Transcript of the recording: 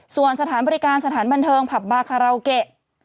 ส่วนสถานบริการสถานบันเทิงผับบาคาราโอเกะ